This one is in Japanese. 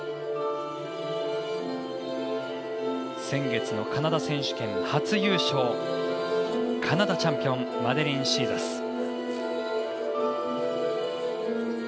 先月のカナダ選手権初優勝カナダチャンピオンマデリン・シーザス。